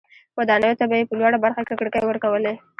ودانیو ته به یې په لوړه برخه کې کړکۍ ورکولې.